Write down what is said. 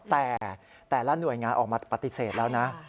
แต่แต่ละหน่วยงานออกมาปฏิเสธแล้วนะ